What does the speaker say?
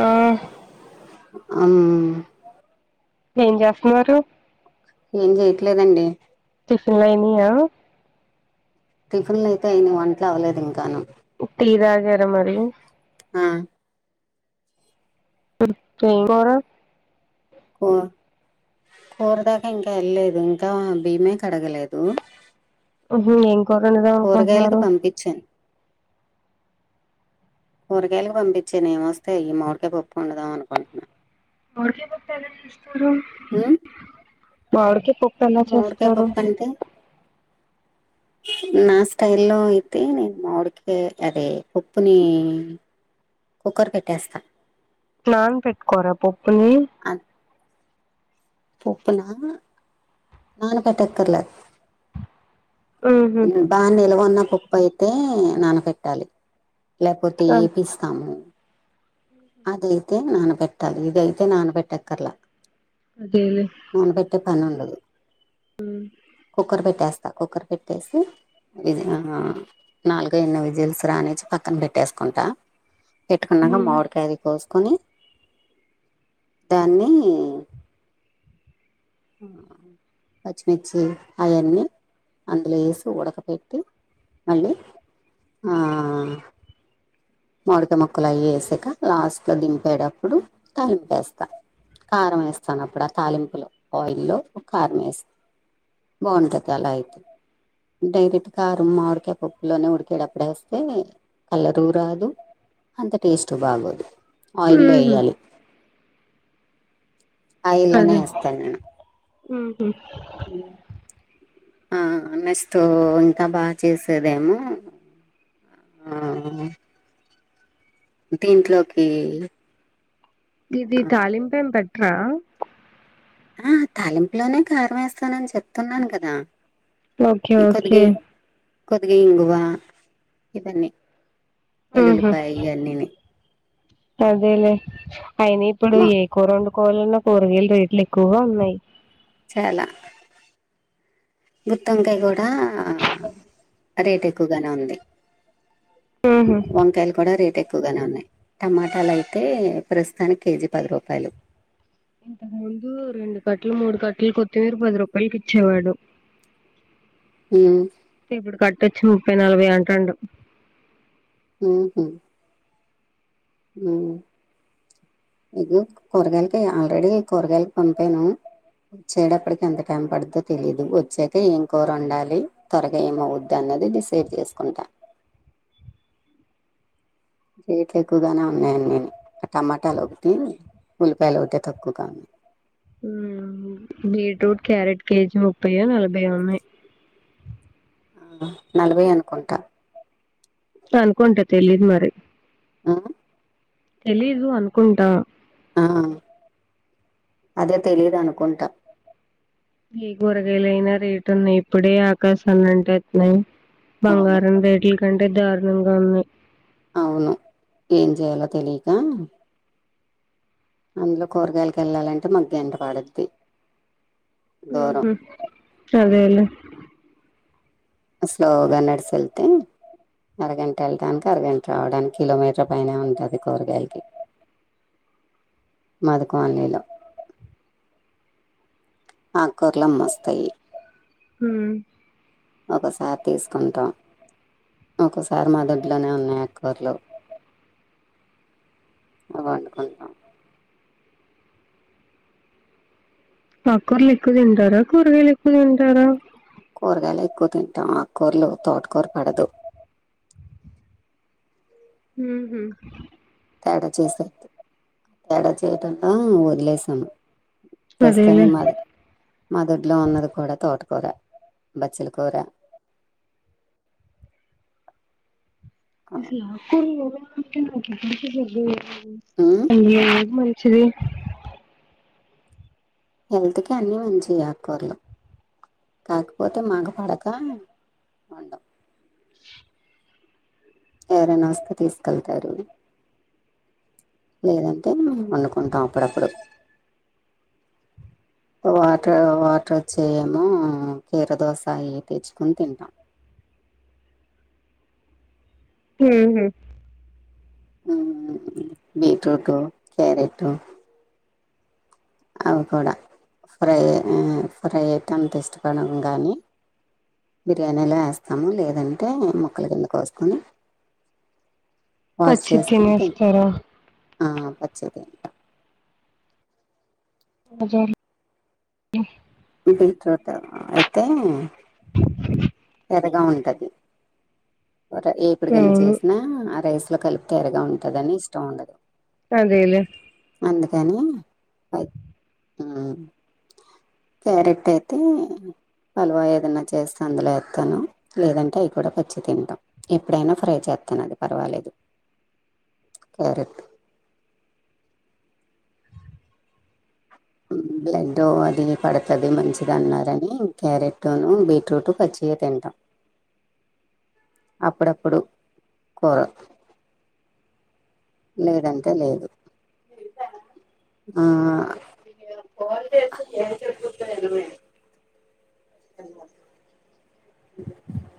ఆ ఉమ్ ఏం చేస్తన్నారు ఏం జెయట్లేదండి టిఫిన్లయియా టిఫిన్లు అయితే అయినాయి వంటలు అవ్వలేదు ఇంకాను టీ తాగారా మరి? ఆ ఇంకోరు కు కూరదాకా ఇంకా వెళ్ల్లేదు ఇంకా బియ్యమే కడగలేదు ఏం కూర వండుదాం కూరగాయలకు అనుకుంటున్నారు పంపించాను కూరగాయలకు పంపించాను ఏమొస్తే అయ్యి మామిడికాయ పప్పు వండుదాం అనుకుంటున్నా మామిడి కాయ్ పప్పు ఎలా చేసుకోవడం ఉమ్ మామిడికాయ పప్పు ఎలా మామిడికాయ చేసుకోవడం పప్పు అంటే నా స్టైల్లో అయితే నేను మామిడికాయ్ అదే పప్పుని కుక్కర్ పెట్టేస్తా నాన్ పెట్టుకోరా పప్పుని పప్పు నా నాన పెట్టక్కర్లే ఉహు ఉమ్ బా నిలవొన్న పప్పు అయితే నానపెట్టాలి లేకపోతే ఆ ఏపిస్తాము అదయితే నానబెట్టాలి ఇదయితే నానబెట్టక్కర్లా అదే నానబెట్టే పని ఉండదు కుక్కర్ పెట్టేస్తా కుక్కర్ పెట్టేసి విజిల్ నాలుగయినా విజుల్స్ రానిచ్చి పక్కన పెట్టేసుకుంటా పెట్టుకున్నాక మామిడికాయది కోసు కుని దాన్ని పచ్చిమిర్చి అయన్ని అందులో వేసి ఉడకపెట్టి మళ్ళీ ఆ మూడికాయ్ ముక్కలు అయి వేసాక లాస్ట్లో దింపేటప్పుడు కలిపేస్తా కారం వేస్తాను అప్పుడు ఆ తాలింపులో ఆయిల్ లో కారం వేస్త బాగుంటది అలా అయితే డైరెక్ట్గా మామిడికాయ్ పప్పులోనే ఉడికేటప్పుడే వేస్తే కలరు రాదు అంత టేస్ట్ బాగోదు ఆయిల్లో ఉహు వేయాలి ఆయిల్లోనే వేస్తా నేను ఉహూ ఉమ్ ఆ నెస్తో ఇంకా బాగా చేసేదేమో ఆ దీంట్లోకి ఇది తాలింపు ఏం పెట్టరా ఆ తాలింపులోనే కారం వేస్తానని చెప్తున్నాను కదా ఓకే ఈ కొద్దిగా ఓకే కొద్దిగా ఇంగువ ఇవన్నీ ఎల్లులిపాయ ఇవన్నిని అదేలేే అయిన ఇప్పుడు మా ఏ కూర వ కోలన్న కూరగాయలు రేట్లు ఎక్కువగా ఉన్నాయి చాలా గుత్తివంకాయ గూడా రేట్ ఎక్కువగానే ఉంది. ఉహు వంకాయలు కూడా రేట్ ఎ ఎక్కువగానే ఉన్నాయి టమాటాలైతె ప్రస్తుతానికి కేజీ పది రూపాయలు ఇంతకు ముందు రెండు కట్టలు మూడు కట్టలు కొత్తిమీర పది రూపాయలకి ఇచ్చేవాడు ఉమ్ తెచ్చి ముప్పై నలభై అంటాండు ఉ హు ఉమ్ ఇగొ కూరగాయలకి ఆల్రెడీ కూరగాయలకి పంపాను వచ్చేటప్పటికి ఎంత టైం పడందో తెలీదు వచ్చాక ఏం కూర ఉండాలి త్వరగా ఏమౌవద్దని మది డిసైడ్ చేసుకుంటా రేట్లు ఎక్కువగానే ఉన్నాయన్నాను ఆ టమాటాలు ఒకటి ఉల్లిపాయలు ఓటే తక్కువగా ఉన్నాయి ఉమ్ బీట్రూట్ క్యారెట్ కేజీ ముప్పయ్యే నలభైయ్యే ఉన్నాయి నలభై అనుకుంటా అనుకుంట తెలీదు మరి ఆ తెలీదు అనుకుంటా ఆ అదే తెలిదనుకుంటా ఏ కూరగాయలుయినా రేటు ఉన్నాయి ఇప్పుడే ఆకాశాన్ని అంటేత్తున్నాయి. అవును బంగారం రెట్ల కంటే దారుణంగా ఉన్నాయి. అవును ఏం చేయాలో తెలియక అందులో కూరగాయలలకు వెళ్ళాలంటే నాకు గంట పడుద్ది. ఉ దూరం హు సరేలే స్లోగా నడిసేల్తే అరగంట వెళ్ళడానికి అరగంట రావడానికి కిలోమీటర్ పైనే ఉంటది కూరగాయలకి మాది కాలనీ లో ఆకూరలు అమ్మోస్తాయి. ఒకసారి తీసుకుంటాం ఒకసారి మా దొడ్లోనే ఉన్నాయి ఆకూరలు వండుకుంటాం ఆకూరలు ఎక్కువ తింటారా కూరగాయలు ఎక్కువ తింటారా కూరగాయలే ఎక్కువ తింటాం ఆకూరలు తోటకూర పడదు ఉ హు తేడా చేసేద్ది తేడా చేయటంలా వదిలేసాము అదేలే ప్రస్తుతనికి మాది మాదొడ్లో ఉన్నది కూడా తోట కూర బచ్చల కూర అసలు ఆకూరలు [unintelligible] చూవి హెల్త్ కి అన్ని మంచివె ఆకూరలు కాకపోతే మాకు పడక వండము. ఎవరైన వస్తే తీసుకెళ్తారు. లేదంటే మేం వండుకుంటాం అప్పుడప్పుడు వాటర్ వాటర్ వచ్చఏమో కీర దోస అయి తెచ్చుకని తింటాం ఉమ్ హు ఆ ఆ ఆ బీట్రూట్, క్యారెట్టు అవి కూడా ఫ్రై ఐ ఫ్రై అయితెంతష్టపడం గానీ బిర్యానీలో ఏస్తాము లేదంటే మొక్కల కింద కోసుకొని వాష్ పచ్చిది చేసుకున్ తిన్ తినేస్తారు ఆ పచ్చియే తింటాం. [inaudible] న్తర్త అయితే ఎర్రగా ఉంటది ఎప్పుడికైనా అవును చేసినా రైస్ గ కలుప్తరగా ఉంటందిని ఇష్టం ఉండదు అదేలే అందుకని అద్ ఆ క్యారెట్టయితే హలువా ఏదన్నా చేస్తే అందులో ఎత్తాను లేదంటే అయి కూడా పచ్చియే తింటాం ఎప్పుడైనా ఫ్రై చేత్ కనది పర్వాలేదు క్యారెట్ హ్మ్ బ్లెడ్ అది పడతది మంచిదన్నారని క్యారెట్ను బీట్రూట్ పచ్చియే తింటాం. అప్పుడప్పుడు కూర లేదంటే లేదు ఆ ఇయాలా కాల్ చేసింది [unintelligible] ఆయమ్మాయి [inaudible]